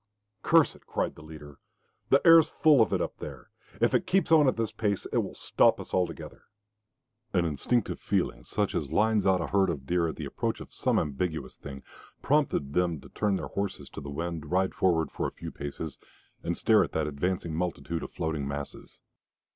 "Curse it!" cried the leader. "The air's full of it up there. If it keeps on at this pace long, it will stop us altogether." An instinctive feeling, such as lines out a herd of deer at the approach of some ambiguous thing, prompted them to turn their horses to the wind, ride forward for a few paces, and stare at that advancing multitude of floating masses.